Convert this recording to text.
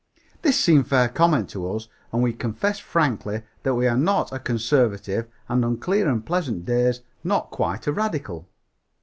This seemed fair comment to us and we confessed frankly that we were not a conservative and on clear and pleasant days not quite a radical.